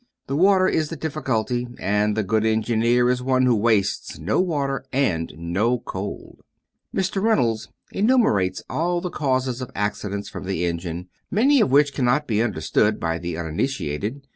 The water is the difficulty, and the good engineer is one who wastes no water and no coal. Mr. Reynolds enumerates all the causes of accidents from the engine, many of which cannot be understood by the uninitiated.